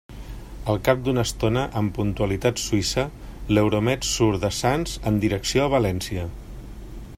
Al cap d'una estona, amb puntualitat suïssa, l'Euromed surt de Sants en direcció a València.